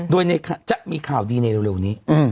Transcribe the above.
โดยจะมีข่าวดีในเร็วนี้